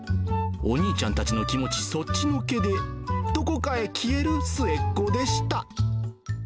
お兄ちゃんたちの気持ちそっちのけで、どこかへ消える末っ子でした。